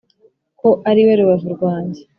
ko ariwe rubavu rwanjye